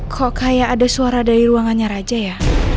kok kayak ada suara dari ruangannya raja ya